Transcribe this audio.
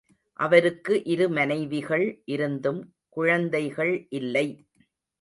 அவருக்கு இரு மனைவிகள் இருந்தும் குழந்தைகள் இல்லை.